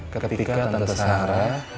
ketika tante sarah menahan lo untuk melakukan tes dna